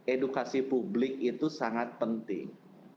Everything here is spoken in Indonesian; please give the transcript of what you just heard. edukasi publik itu sangat penting